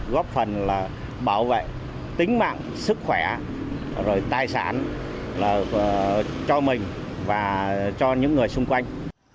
góp phần là bảo vệ tính mạng sức khỏe rồi tài sản cho mình và cho những người xung quanh